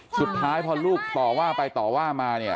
สุดท้ายพ่อลูกต่อว่าไปต่อว่ามา